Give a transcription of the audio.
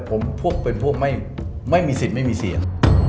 ผมพวกเป็นพวกไม่มีสิทธิ์ไม่มีเสียง